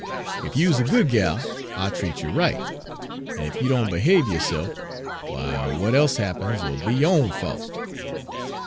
Ef you is a good gal, I'll treat you right, en ef you doan behabe yo'se'f, w'y, w'at e'se happens'll be yo' own fault.'